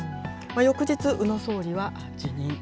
翌日、宇野総理は辞任。